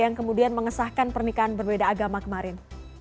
yang kemudian mengesahkan pernikahan berbeda agama kemarin